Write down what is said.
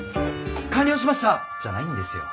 「完了しました！」じゃないんですよ。